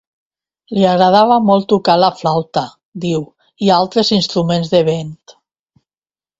Li agradava molt tocar la flauta —diu—, i altres instruments de vent.